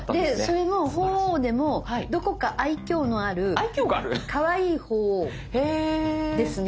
それも鳳凰でも「どこか愛きょうのあるかわいい鳳凰ですね」